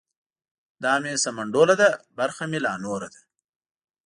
دا مې سمنډوله ده برخه مې لا نوره ده.